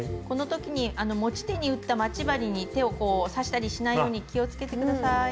このときに持ち手に打った待ち針に手を刺したりしないように気をつけてください。